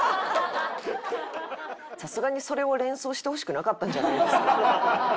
さすがにそれを連想してほしくなかったんじゃないですか？